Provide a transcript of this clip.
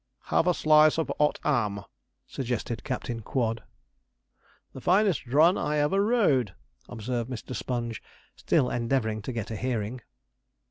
'Have a slice of 'ot 'am,' suggested Captain Quod. 'The finest run I ever rode!' observed Mr. Sponge, still endeavouring to get a hearing.